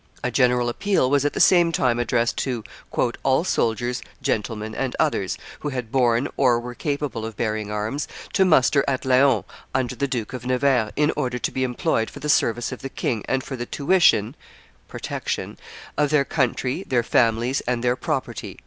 A general appeal was at the same time addressed to "all soldiers, gentlemen and others, who had borne or were capable of bearing arms, to muster at Laon under the Duke of Nevers, in order to be employed for the service of the king and for the tuition [protection] of their country, their families, and their property."